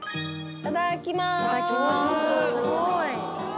いただきます。